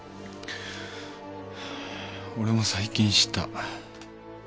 俺も最近知った。